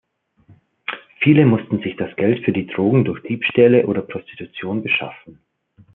Viele mussten sich das Geld für die Drogen durch Diebstähle oder Prostitution beschaffen.